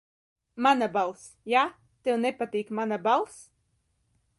Mana balss, ja? Tev nepatīk mana balss.